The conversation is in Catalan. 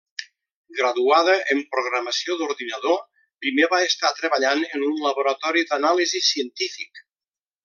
Graduada en programació d'ordinador, primer va estar treballant en un laboratori d'anàlisi científic.